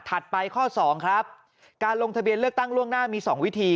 ไปข้อ๒ครับการลงทะเบียนเลือกตั้งล่วงหน้ามี๒วิธี